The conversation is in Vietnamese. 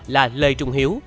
là lê trung hiếu